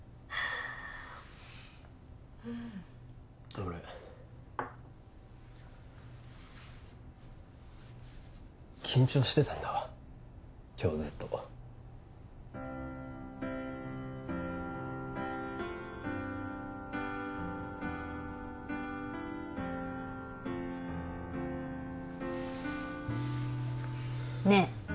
俺緊張してたんだわ今日ずっとねえ